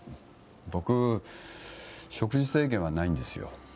僕食事制限はないんですよ